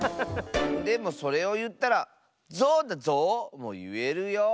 でもそれをいったら「ゾウだゾウ」もいえるよ。